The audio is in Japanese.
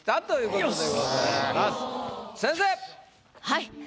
はい。